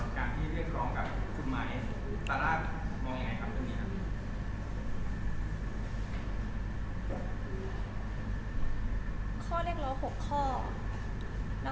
การที่เรียกร้องกับคุณไมค์สารามองยังไงครับตรงนี้